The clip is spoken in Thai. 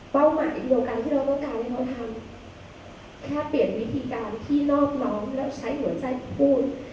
หมายเดียวกันที่เราต้องการให้เขาทำแค่เปลี่ยนวิธีการที่นอบน้อมแล้วใช้หัวใจพูด